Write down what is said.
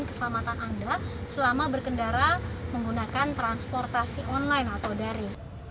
keselamatan anda selama berkendara menggunakan transportasi online atau dari